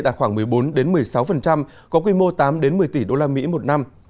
là một mươi tám một mươi tỷ usd một năm